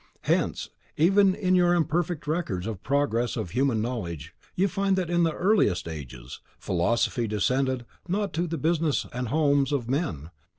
Hence, even in your imperfect records of the progress of human knowledge, you find that, in the earliest ages, Philosophy descended not to the business and homes of men.